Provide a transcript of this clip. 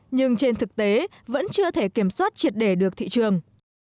nhưng trên thực tế vẫn chưa thể kiểm soát triệt đề được thị trường